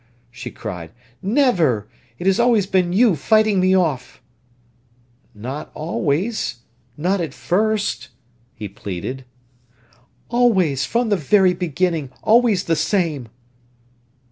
she cried; "never! It has always been you fighting me off." "Not always—not at first!" he pleaded. "Always, from the very beginning—always the same!"